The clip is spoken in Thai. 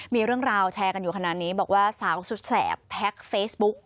มีเรื่องราวแชร์กันอยู่ขนาดนี้บอกว่าสาวสุดแสบแท็กเฟซบุ๊ก